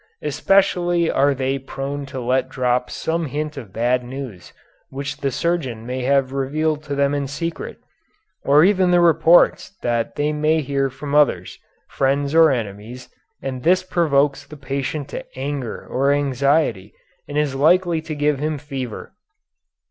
"Especially are they prone to let drop some hint of bad news which the surgeon may have revealed to them in secret, or even the reports that they may hear from others, friends or enemies, and this provokes the patient to anger or anxiety and is likely to give him fever.